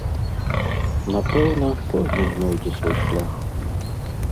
Напэўна, кожны знойдзе свой шлях.